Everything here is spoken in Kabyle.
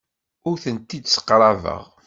Ur tent-id-sseqrabeɣ.